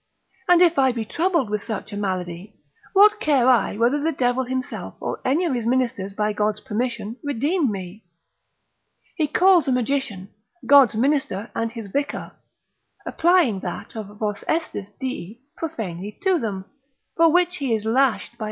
and if I be troubled with such a malady, what care I whether the devil himself, or any of his ministers by God's permission, redeem me? He calls a magician, God's minister and his vicar, applying that of vos estis dii profanely to them, for which he is lashed by T.